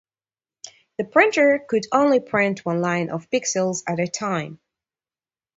The printer could only print one line of pixels at a time.